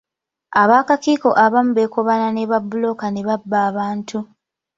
Ab'akakiiko abamu beekobaana ne babbulooka ne babba abantu.